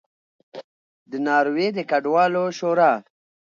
د ناروې د کډوالو شورا